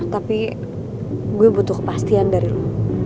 tapi gue butuh kepastian dari lu